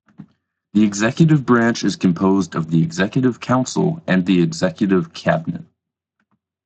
The executive branch is composed of the Executive Council and the Executive Cabinet.